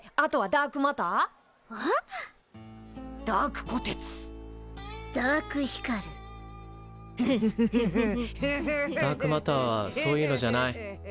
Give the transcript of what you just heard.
ダークマターはそういうのじゃない。